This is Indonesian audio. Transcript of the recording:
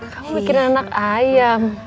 kamu mikirin anak ayam